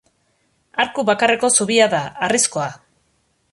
Arku bakarreko zubia da, harrizkoa.